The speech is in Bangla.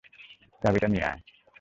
চাবিটা নিয়ে আয়।